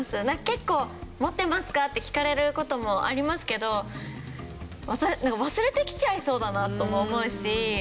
結構「持ってますか？」って聞かれる事もありますけど忘れてきちゃいそうだなとも思うし。